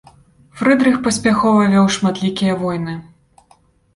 Фрыдрых паспяхова вёў шматлікія войны.